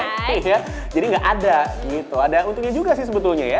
iya jadi gak ada gitu ada untungnya juga sih sebetulnya ya